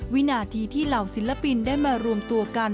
วินาทีที่เหล่าศิลปินได้มารวมตัวกัน